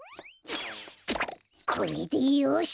これでよし！